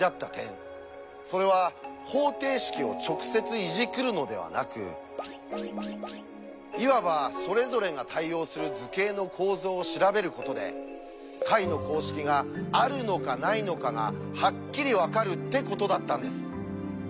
それは方程式を直接いじくるのではなくいわばそれぞれが対応する図形の構造を調べることで解の公式があるのかないのかがハッキリ分かるってことだったんです。